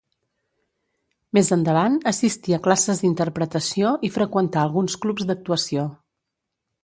Més endavant assistí a classes d'interpretació i freqüentà alguns clubs d'actuació.